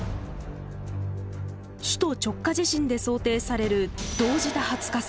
首都直下地震で想定される同時多発火災。